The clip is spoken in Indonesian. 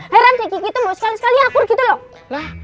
heran sih gigi tuh mau sekali sekali akur gitu loh